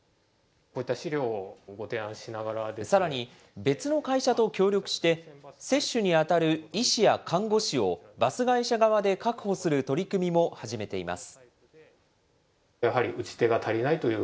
さらに、別の会社と協力して、接種に当たる医師や看護師をバス会社側で確保する取り組みも始めています。